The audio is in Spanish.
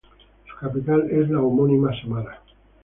Su capital es la homónima Samara.